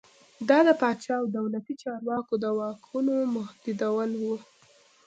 دا د پاچا او دولتي چارواکو د واکونو محدودېدل و.